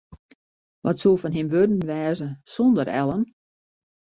Wat soe fan him wurden wêze sonder Ellen?